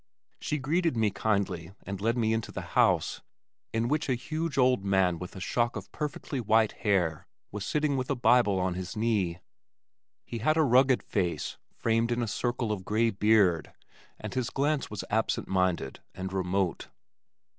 She greeted me kindly and led me into the house, in which a huge old man with a shock of perfectly white hair was sitting with a Bible on his knee. He had a rugged face framed in a circle of gray beard and his glance was absent minded and remote.